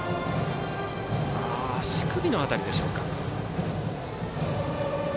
足首の辺りでしょうか。